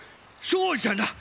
そうじゃな。